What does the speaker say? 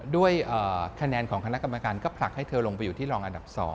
ด้วยคะแนนของคณะกรรมการก็ผลักให้เธอลงไปอยู่ที่รองอันดับ๒